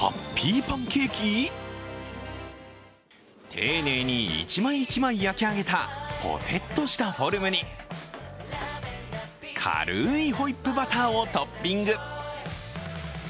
丁寧に１枚１枚焼き上げたぽてっとしたフォルムに軽いホイップバターをトッピング。